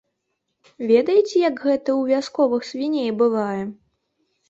Ведаеце, як гэта ў вясковых свіней бывае.